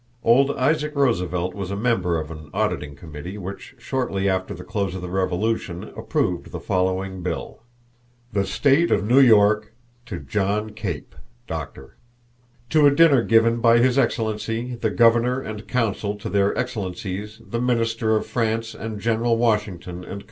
Old Isaac Roosevelt was a member of an Auditing Committee which shortly after the close of the Revolution approved the following bill: The State of New York, to John Cape Dr. To a Dinner Given by His Excellency the Governor and Council to their Excellencies the Minnister of France and General Washington & Co.